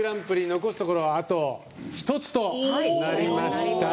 残すところはあと１つとなりました。